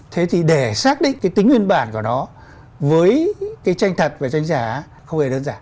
thế thì để xác định cái tính nguyên bản của nó với cái tranh thật và tranh giả không hề đơn giản